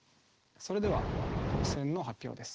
それでは特選の発表です。